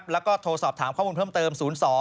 แล้วก็โทรสอบถามข้อมูลเพิ่มเติม๐๒